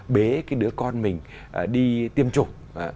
bế đứa con mình đi tiêm chủng